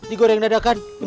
ini goreng dadakan